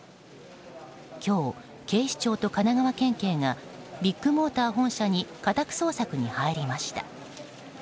今日、警視庁と神奈川県警がビッグモーター本社に家宅捜索に入りました。